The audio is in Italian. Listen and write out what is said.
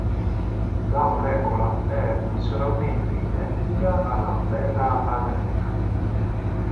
La molecola è funzionalmente identica alla beta-alanina.